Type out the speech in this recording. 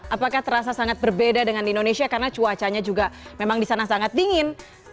apakah terasa sangat berbeda dengan di indonesia karena cuacanya juga memang di sana sangat dingin